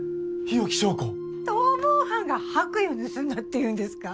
逃亡犯が白衣を盗んだっていうんですか？